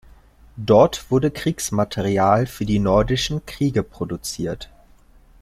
Dort wurde Kriegsmaterial für die Nordischen Kriege produziert.